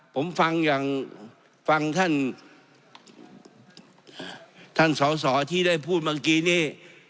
ผมฟังอย่างฟังท่านท่านสอสอที่ได้พูดเมื่อกี้นี้